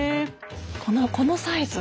このサイズ。